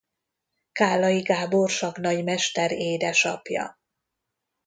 Kállai Gábor sakknagymester édesapja.